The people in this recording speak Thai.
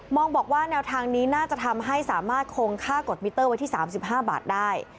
องบอกว่าแนวทางนี้น่าจะทำให้สามารถคงค่ากดมิเตอร์ไว้ที่๓๕บาทได้